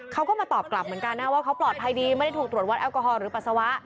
เขาก็มาตอบกลับเหมือนกันนะว่าเขาปลอดภัยดีไม่ได้ถูกตรวจวัดแอลกอฮอลหรือปัสสาวะ